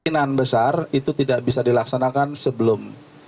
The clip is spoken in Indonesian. kemungkinan besar itu tidak bisa dilaksanakan sebelum